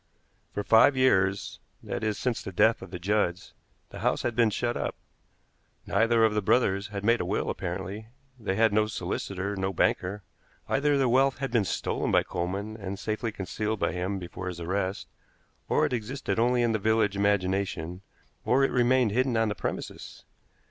For five years that is, since the death of the Judds the house had been shut up. Neither of the brothers had made a will apparently; they had no solicitor, no banker. Either their wealth had been stolen by Coleman, and safely concealed by him before his arrest, or it existed only in the village imagination, or it remained hidden on the premises.